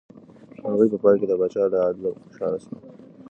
مرغۍ په پای کې د پاچا له عدله خوشحاله شوه.